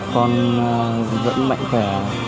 con vẫn mạnh khỏe